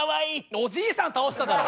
おじいさん倒しただろ。